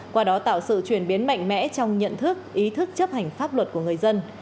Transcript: qua đó tạo sự chuyển biến mạnh mẽ trong nhận thức ý thức chấp hành pháp luật của người dân